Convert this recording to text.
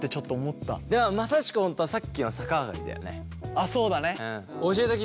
あっそうだね。